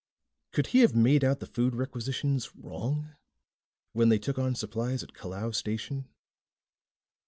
Could he have made out the food requisitions wrong, when they took on supplies at Calao station?